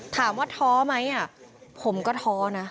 ถามว่าท้อไหมผมก็ท้อนะ